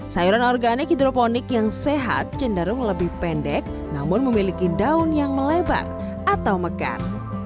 sayuran organik hidroponik yang sehat cenderung lebih pendek namun memiliki daun yang melebar atau mekar